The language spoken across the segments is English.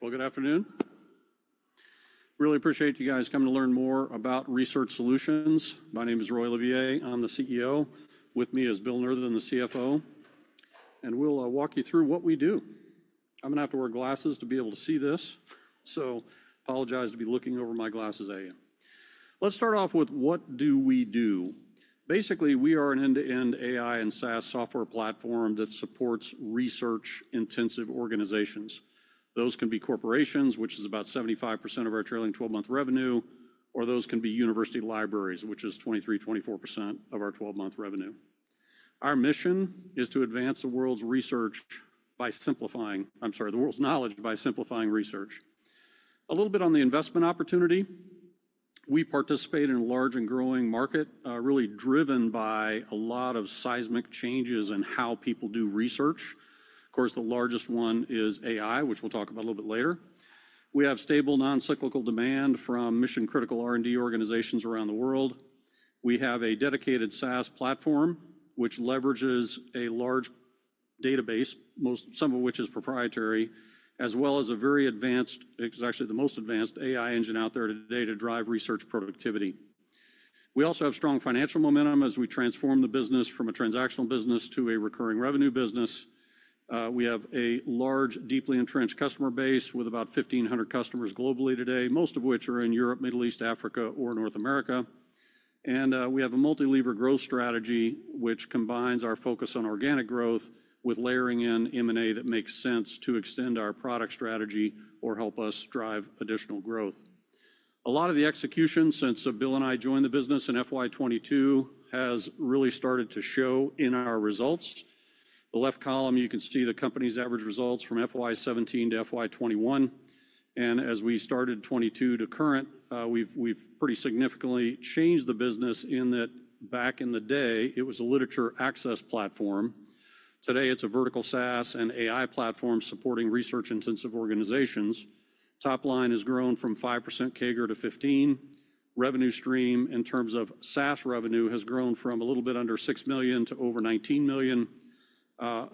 Good afternoon. Really appreciate you guys coming to learn more about Research Solutions. My name is Roy Olivier. I'm the CEO. With me is Bill Nurthen, the CFO. We'll walk you through what we do. I'm going to have to wear glasses to be able to see this, so I apologize to be looking over my glasses at you. Let's start off with what do we do. Basically, we are an end-to-end AI and SaaS software platform that supports research-intensive organizations. Those can be corporations, which is about 75% of our trailing 12-month revenue, or those can be university libraries, which is 23% to 24% of our 12-month revenue. Our mission is to advance the world's research by simplifying—I'm sorry, the world's knowledge by simplifying research. A little bit on the investment opportunity. We participate in a large and growing market, really driven by a lot of seismic changes in how people do research. Of course, the largest one is AI, which we'll talk about a little bit later. We have stable, non-cyclical demand from mission-critical R&D organizations around the world. We have a dedicated SaaS platform, which leverages a large database, some of which is proprietary, as well as a very advanced, it's actually the most advanced AI engine out there today to drive research productivity. We also have strong financial momentum as we transform the business from a transactional business to a recurring revenue business. We have a large, deeply entrenched customer base with about 1,500 customers globally today, most of which are in Europe, Middle East, Africa, or North America. We have a multi-lever growth strategy, which combines our focus on organic growth with layering in M&A that makes sense to extend our product strategy or help us drive additional growth. A lot of the execution, since Bill and I joined the business in fiscal year 2022, has really started to show in our results. The left column, you can see the company's average results from fiscal year 2017 to fiscal year 2021. As we started 2022 to current, we have pretty significantly changed the business in that back in the day, it was a literature access platform. Today, it is a vertical SaaS and AI platform supporting research-intensive organizations. Top line has grown from 5% CAGR to 15%. Revenue stream, in terms of SaaS revenue, has grown from a little bit under $6 million to over $19 million. I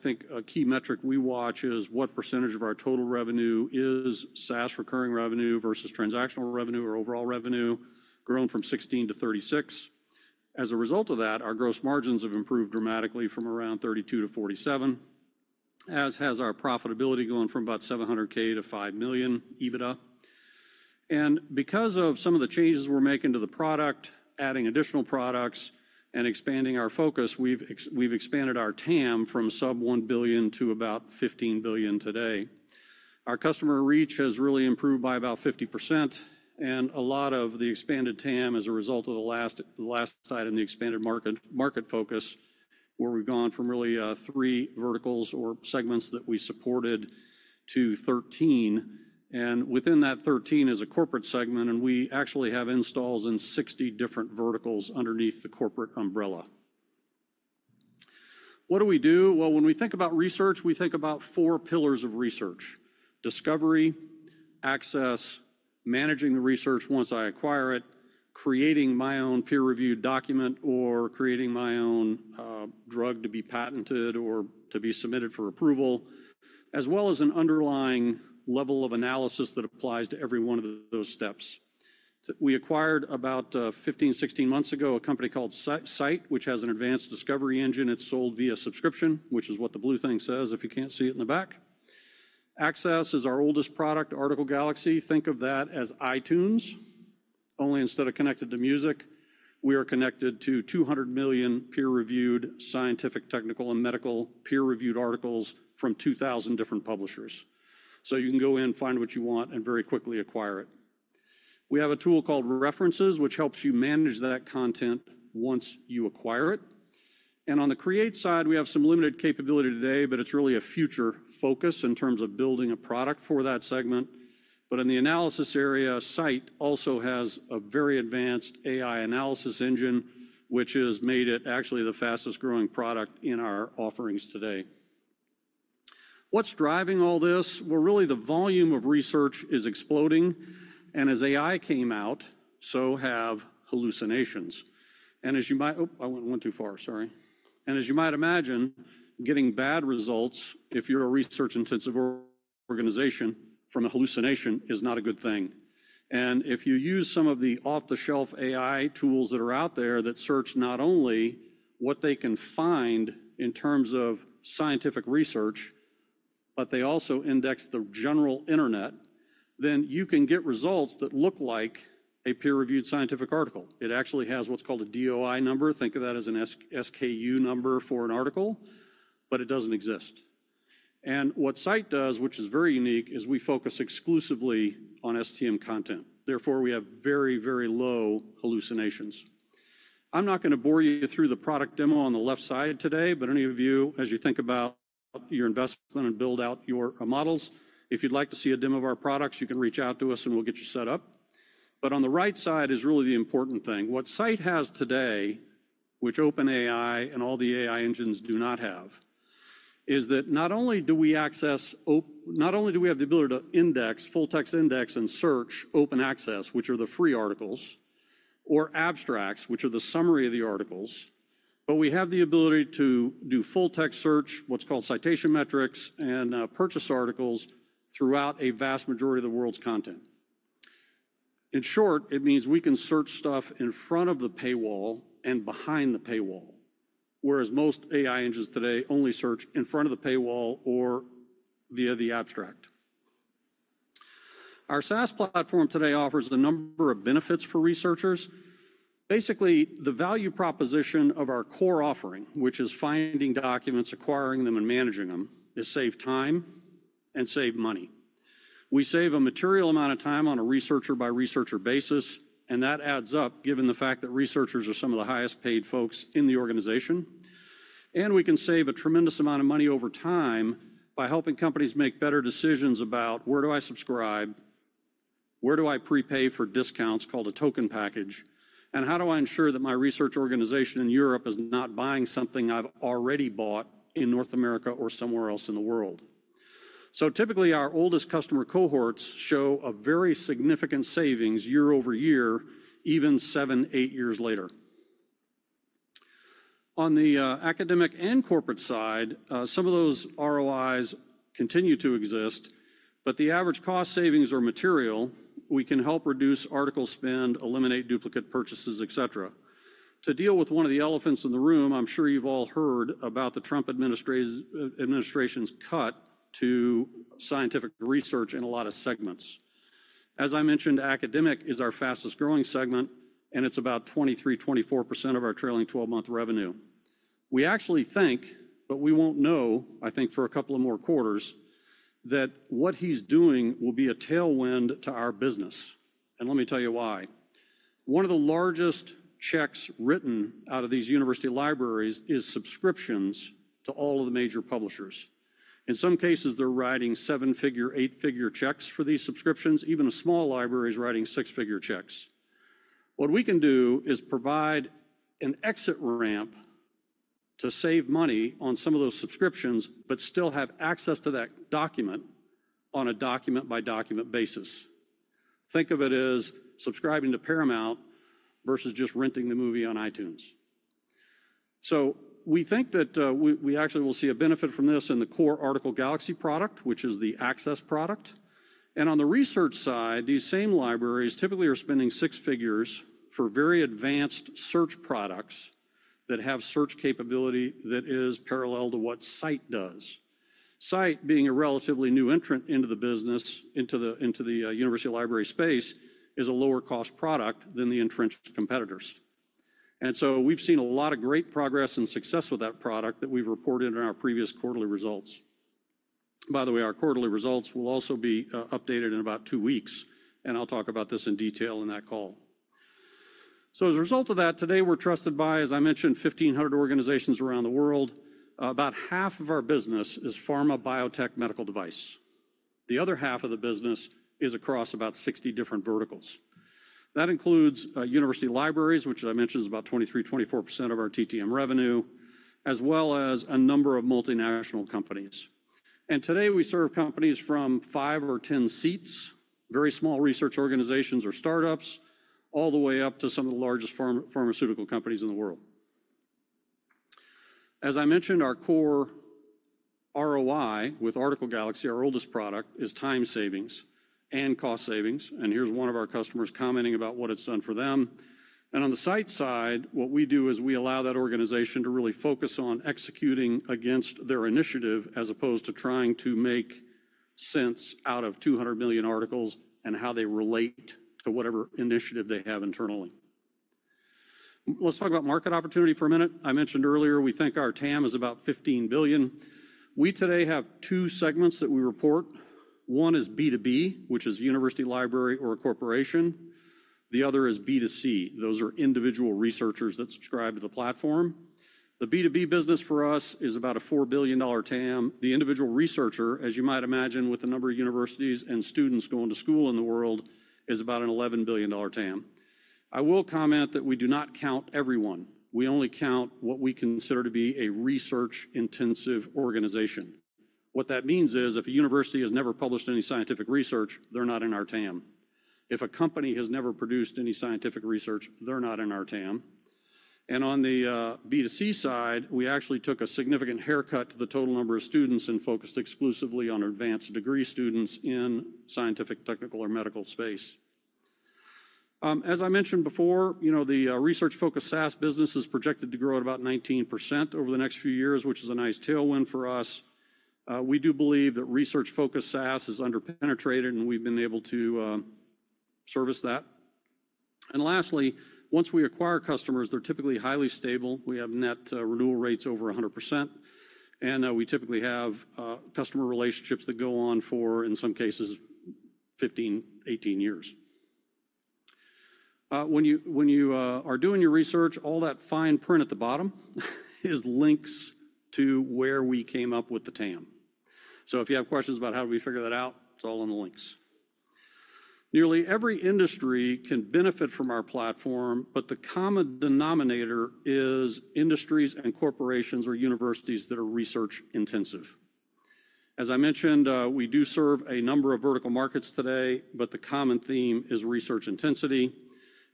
think a key metric we watch is what percentage of our total revenue is SaaS recurring revenue versus transactional revenue or overall revenue, growing from 16% to 36%. As a result of that, our gross margins have improved dramatically from around 32% to 47%, as has our profitability gone from about $700,000 to $5 million EBITDA. Because of some of the changes we're making to the product, adding additional products, and expanding our focus, we've expanded our TAM from sub-$1 billion to about $15 billion today. Our customer reach has really improved by about 50%, and a lot of the expanded TAM is a result of the last tide in the expanded market focus, where we've gone from really three verticals or segments that we supported to 13. Within that 13 is a corporate segment, and we actually have installs in 60 different verticals underneath the corporate umbrella. What do we do? When we think about research, we think about four pillars of research: discovery, access, managing the research once I acquire it, creating my own peer-reviewed document, or creating my own drug to be patented or to be submitted for approval, as well as an underlying level of analysis that applies to every one of those steps. We acquired about 15, 16 months ago a company called Scite, which has an advanced discovery engine. It's sold via subscription, which is what the blue thing says if you can't see it in the back. Access is our oldest product, Article Galaxy. Think of that as iTunes. Only instead of connected to music, we are connected to 200 million peer-reviewed scientific, technical, and medical peer-reviewed articles from 2,000 different publishers. You can go in, find what you want, and very quickly acquire it. We have a tool called References, which helps you manage that content once you acquire it. On the create side, we have some limited capability today, but it is really a future focus in terms of building a product for that segment. In the analysis area, Scite also has a very advanced AI analysis engine, which has made it actually the fastest-growing product in our offerings today. What is driving all this? Really, the volume of research is exploding. As AI came out, so have hallucinations. As you might—oh, I went too far, sorry. As you might imagine, getting bad results if you're a research-intensive organization from a hallucination is not a good thing. If you use some of the off-the-shelf AI tools that are out there that search not only what they can find in terms of scientific research, but they also index the general internet, then you can get results that look like a peer-reviewed scientific article. It actually has what's called a DOI number. Think of that as an SKU number for an article, but it doesn't exist. What Scite does, which is very unique, is we focus exclusively on STM content. Therefore, we have very, very low hallucinations. I'm not going to bore you through the product demo on the left side today, but any of you, as you think about your investment and build out your models, if you'd like to see a demo of our products, you can reach out to us and we'll get you set up. On the right side is really the important thing. What Scite has today, which OpenAI and all the AI engines do not have, is that not only do we access—not only do we have the ability to index, full-text index and search open access, which are the free articles, or abstracts, which are the summary of the articles, but we have the ability to do full-text search, what's called citation metrics, and purchase articles throughout a vast majority of the world's content. In short, it means we can search stuff in front of the paywall and behind the paywall, whereas most AI engines today only search in front of the paywall or via the abstract. Our SaaS platform today offers a number of benefits for researchers. Basically, the value proposition of our core offering, which is finding documents, acquiring them, and managing them, is save time and save money. We save a material amount of time on a researcher-by-researcher basis, and that adds up given the fact that researchers are some of the highest-paid folks in the organization. We can save a tremendous amount of money over time by helping companies make better decisions about where do I subscribe, where do I prepay for discounts called a token package, and how do I ensure that my research organization in Europe is not buying something I've already bought in North America or somewhere else in the world. Typically, our oldest customer cohorts show a very significant savings year over year, even seven, eight years later. On the academic and corporate side, some of those ROIs continue to exist, but the average cost savings are material. We can help reduce article spend, eliminate duplicate purchases, etc. To deal with one of the elephants in the room, I'm sure you've all heard about the Trump administration's cut to scientific research in a lot of segments. As I mentioned, academic is our fastest-growing segment, and it's about 23% to 24% of our trailing 12-month revenue. We actually think, but we won't know, I think, for a couple of more quarters, that what he's doing will be a tailwind to our business. Let me tell you why. One of the largest checks written out of these university libraries is subscriptions to all of the major publishers. In some cases, they're writing seven-figure, eight-figure checks for these subscriptions. Even a small library is writing six-figure checks. What we can do is provide an exit ramp to save money on some of those subscriptions, but still have access to that document on a document-by-document basis. Think of it as subscribing to Paramount versus just renting the movie on iTunes. We think that we actually will see a benefit from this in the core Article Galaxy product, which is the access product. On the research side, these same libraries typically are spending six figures for very advanced search products that have search capability that is parallel to what Scite does. Scite, being a relatively new entrant into the business, into the university library space, is a lower-cost product than the entrenched competitors. We have seen a lot of great progress and success with that product that we have reported in our previous quarterly results. By the way, our quarterly results will also be updated in about two weeks, and I will talk about this in detail in that call. As a result of that, today we are trusted by, as I mentioned, 1,500 organizations around the world. About half of our business is pharma, biotech, medical device. The other half of the business is across about 60 different verticals. That includes university libraries, which I mentioned is about 23% to 24% of our TTM revenue, as well as a number of multinational companies. Today we serve companies from five or ten seats, very small research organizations or startups, all the way up to some of the largest pharmaceutical companies in the world. As I mentioned, our core ROI with Article Galaxy, our oldest product, is time savings and cost savings. Here's one of our customers commenting about what it's done for them. On the Scite side, what we do is we allow that organization to really focus on executing against their initiative as opposed to trying to make sense out of 200 million articles and how they relate to whatever initiative they have internally. Let's talk about market opportunity for a minute. I mentioned earlier we think our TAM is about $15 billion. We today have two segments that we report. One is B2B, which is university library or a corporation. The other is B2C. Those are individual researchers that subscribe to the platform. The B2B business for us is about a $4 billion TAM. The individual researcher, as you might imagine, with the number of universities and students going to school in the world, is about an $11 billion TAM. I will comment that we do not count everyone. We only count what we consider to be a research-intensive organization. What that means is if a university has never published any scientific research, they're not in our TAM. If a company has never produced any scientific research, they're not in our TAM. On the B2C side, we actually took a significant haircut to the total number of students and focused exclusively on advanced degree students in the scientific, technical, or medical space. As I mentioned before, the research-focused SaaS business is projected to grow at about 19% over the next few years, which is a nice tailwind for us. We do believe that research-focused SaaS is under-penetrated, and we've been able to service that. Lastly, once we acquire customers, they're typically highly stable. We have net renewal rates over 100%, and we typically have customer relationships that go on for, in some cases, 15-18 years. When you are doing your research, all that fine print at the bottom is links to where we came up with the TAM. If you have questions about how do we figure that out, it's all in the links. Nearly every industry can benefit from our platform, but the common denominator is industries and corporations or universities that are research-intensive. As I mentioned, we do serve a number of vertical markets today, but the common theme is research intensity,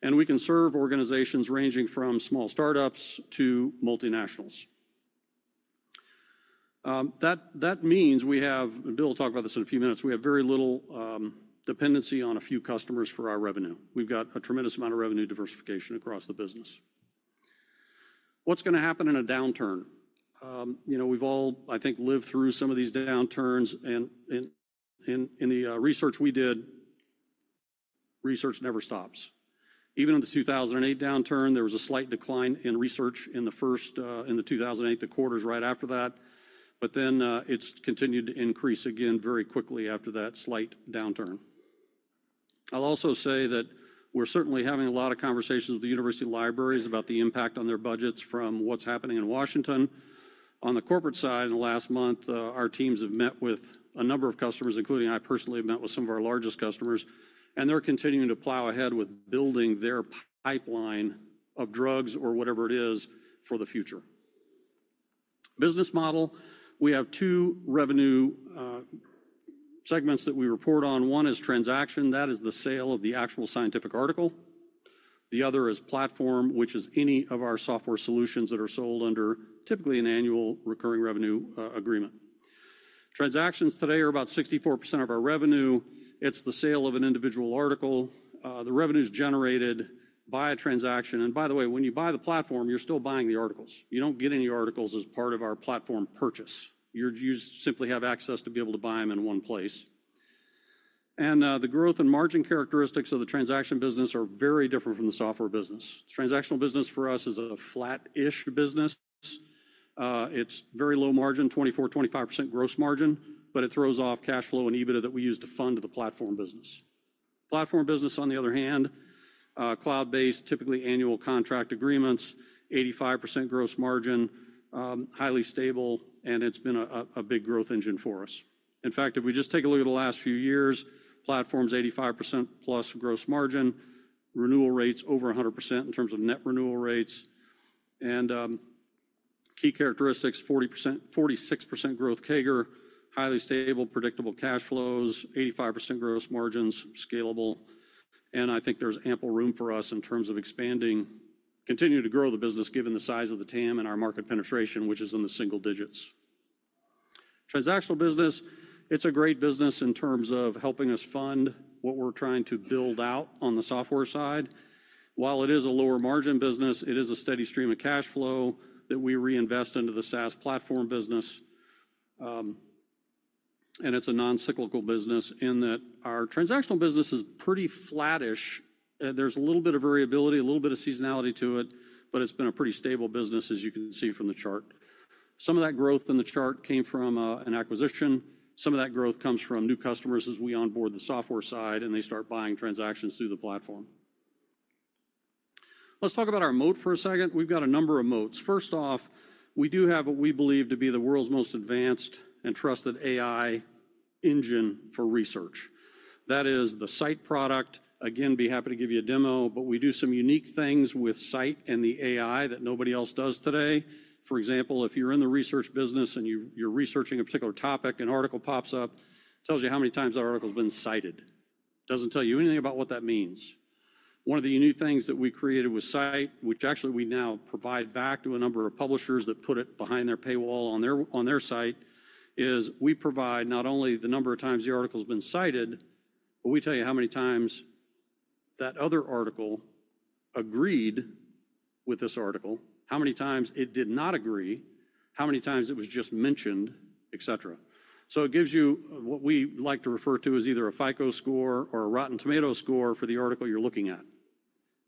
and we can serve organizations ranging from small startups to multinationals. That means we have—Bill will talk about this in a few minutes—we have very little dependency on a few customers for our revenue. We have got a tremendous amount of revenue diversification across the business. What is going to happen in a downturn? We have all, I think, lived through some of these downturns, and in the research we did, research never stops. Even in the 2008 downturn, there was a slight decline in research in the 2008 quarters right after that, but then it has continued to increase again very quickly after that slight downturn. I'll also say that we're certainly having a lot of conversations with the university libraries about the impact on their budgets from what's happening in Washington. On the corporate side, in the last month, our teams have met with a number of customers, including I personally have met with some of our largest customers, and they're continuing to plow ahead with building their pipeline of drugs or whatever it is for the future. Business model, we have two revenue segments that we report on. One is transaction. That is the sale of the actual scientific article. The other is platform, which is any of our software solutions that are sold under typically an annual recurring revenue agreement. Transactions today are about 64% of our revenue. It's the sale of an individual article. The revenue is generated by a transaction. By the way, when you buy the platform, you're still buying the articles. You don't get any articles as part of our platform purchase. You simply have access to be able to buy them in one place. The growth and margin characteristics of the transaction business are very different from the software business. The transactional business for us is a flat-ish business. It's very low margin, 24% to 25% gross margin, but it throws off cash flow and EBITDA that we use to fund the platform business. Platform business, on the other hand, cloud-based, typically annual contract agreements, 85% gross margin, highly stable, and it's been a big growth engine for us. In fact, if we just take a look at the last few years, platform's 85% plus gross margin, renewal rates over 100% in terms of net renewal rates. Key characteristics, 46% growth CAGR, highly stable, predictable cash flows, 85% gross margins, scalable. I think there is ample room for us in terms of expanding, continuing to grow the business given the size of the TAM and our market penetration, which is in the single digits. Transactional business, it is a great business in terms of helping us fund what we are trying to build out on the software side. While it is a lower margin business, it is a steady stream of cash flow that we reinvest into the SaaS platform business. It is a non-cyclical business in that our transactional business is pretty flattish. There is a little bit of variability, a little bit of seasonality to it, but it has been a pretty stable business, as you can see from the chart. Some of that growth in the chart came from an acquisition. Some of that growth comes from new customers as we onboard the software side, and they start buying transactions through the platform. Let's talk about our moat for a second. We've got a number of moats. First off, we do have what we believe to be the world's most advanced and trusted AI engine for research. That is the Scite product. Again, be happy to give you a demo, but we do some unique things with Scite and the AI that nobody else does today. For example, if you're in the research business and you're researching a particular topic, an article pops up, it tells you how many times that article has been cited. It doesn't tell you anything about what that means. One of the unique things that we created with Scite, which actually we now provide back to a number of publishers that put it behind their paywall on their Scite, is we provide not only the number of times the article has been cited, but we tell you how many times that other article agreed with this article, how many times it did not agree, how many times it was just mentioned, etc. It gives you what we like to refer to as either a FICO score or a Rotten Tomatoes score for the article you're looking at.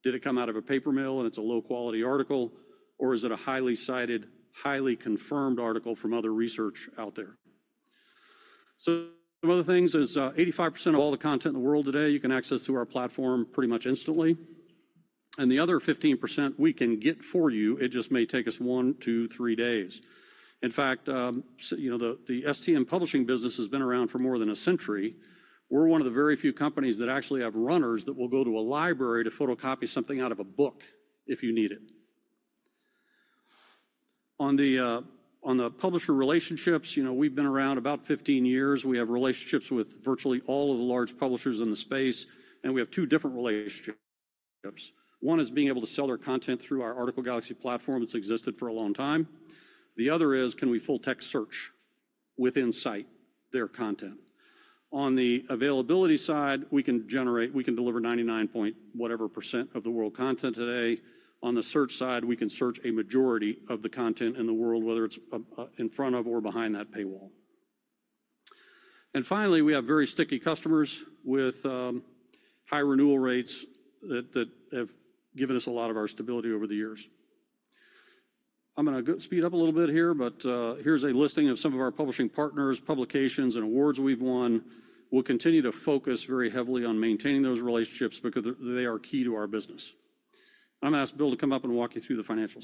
Did it come out of a paper mill and it's a low-quality article, or is it a highly cited, highly confirmed article from other research out there? One of the things is 85% of all the content in the world today, you can access through our platform pretty much instantly. The other 15% we can get for you, it just may take us one, two, three days. In fact, the STM publishing business has been around for more than a century. We're one of the very few companies that actually have runners that will go to a library to photocopy something out of a book if you need it. On the publisher relationships, we've been around about 15 years. We have relationships with virtually all of the large publishers in the space, and we have two different relationships. One is being able to sell their content through our Article Galaxy platform. It's existed for a long time. The other is, can we full-text search within Scite, their content? On the availability side, we can deliver 99.whatever % of the world content today. On the search side, we can search a majority of the content in the world, whether it's in front of or behind that paywall. Finally, we have very sticky customers with high renewal rates that have given us a lot of our stability over the years. I'm going to speed up a little bit here, but here's a listing of some of our publishing partners, publications, and awards we've won. We will continue to focus very heavily on maintaining those relationships because they are key to our business. I'm going to ask Bill to come up and walk you through the financial.